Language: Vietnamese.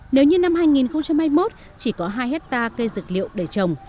nếu như năm hai nghìn hai mươi một chỉ có hai hectare cây dược liệu để trồng